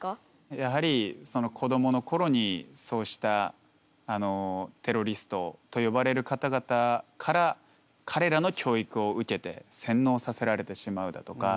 やはりその子どものころにそうしたテロリストと呼ばれる方々から彼らの教育を受けて洗脳させられてしまうだとか